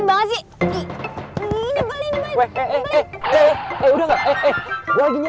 tidak ada gini